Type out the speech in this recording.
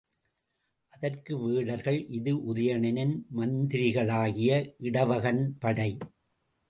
அதற்கு வேடர்கள் இது உதயணனின் மந்திரிகளாகிய இடவகன் படை.